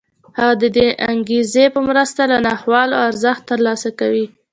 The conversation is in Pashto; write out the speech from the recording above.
هغه د دې انګېزې په مرسته له ناخوالو ارزښت ترلاسه کوي